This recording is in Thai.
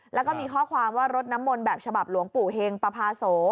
แล้วก็มีข้อความว่ารถน้ำมนต์แบบฉบับหลวงปู่เฮงปภาโส